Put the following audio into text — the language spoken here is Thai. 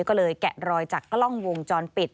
ก็เลยแกะรอยจากกล้องวงจรปิด